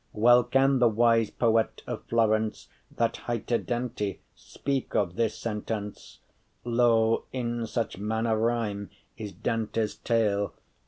Well can the wise poet of Florence, That highte Dante, speak of this sentence:* *sentiment Lo, in such manner* rhyme is Dante’s tale.